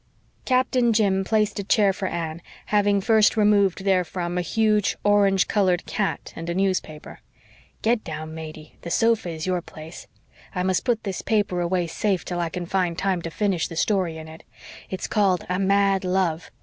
Captain Jim placed a chair for Anne, having first removed therefrom a huge, orange colored cat and a newspaper. "Get down, Matey. The sofa is your place. I must put this paper away safe till I can find time to finish the story in it. It's called A Mad Love.